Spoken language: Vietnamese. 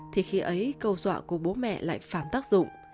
thì khi ấy câu dọa của bố mẹ lại phản tác dụng